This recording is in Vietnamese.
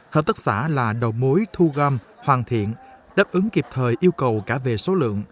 hợp tác xã là đầu mối thu gom hoàn thiện đáp ứng kịp thời yêu cầu cả về số lượng